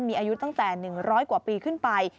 มีอายุตั้งแต่๑๐๐กว่าปีขึ้นไป